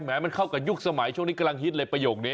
มันเข้ากับยุคสมัยช่วงนี้กำลังฮิตเลยประโยคนี้